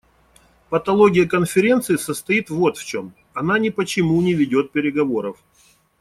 Патология Конференции состоит вот в чем: она ни по чему не ведет переговоров.